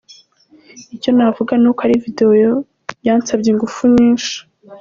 Icyo navuga ni uko ari video yansabye ingufu nyinshi."